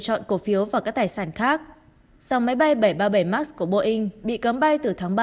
chọn cổ phiếu và các tài sản khác dòng máy bay bảy trăm ba mươi bảy max của boeing bị cấm bay từ tháng ba năm hai nghìn một mươi chín